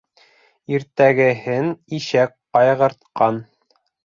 Иртәгеһен ишәк ҡайғыртҡан.